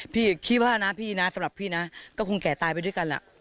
พี่คิดว่านะพี่นะสำหรับพี่นะก็คงแก่ตายไปด้วยกันล่ะ